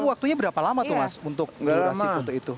waktunya berapa lama tuh mas untuk meluasi foto itu